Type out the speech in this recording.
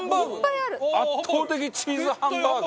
圧倒的、チーズハンバーグ。